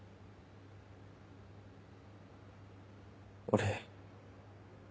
俺。